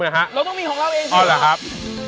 เราต้องมีของเราเองอ๋อเหรอครับ